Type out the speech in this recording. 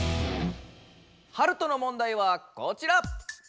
ハルトの問題はこちら。